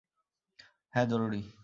হ্যাঁ, জরুরি।